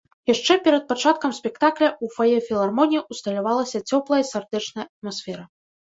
Яшчэ перад пачаткам спектакля ў фае філармоніі ўсталявалася цёплая сардэчная атмасфера.